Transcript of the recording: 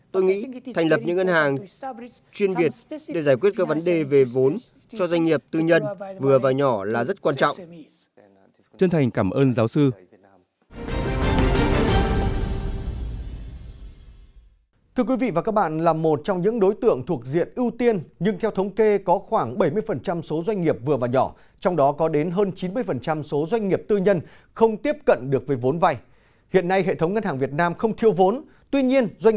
tôi nghĩ thành lập những ngân hàng chuyên biệt để giải quyết các vấn đề về vốn cho doanh nghiệp tư nhân vừa và nhỏ là rất quan trọng